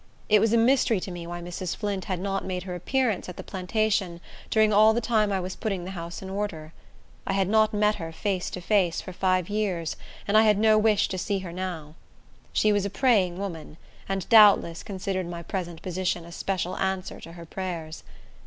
It was a mystery to me why Mrs. Flint had not made her appearance at the plantation during all the time I was putting the house in order. I had not met her, face to face, for five years, and I had no wish to see her now. She was a praying woman, and, doubtless, considered my present position a special answer to her prayers.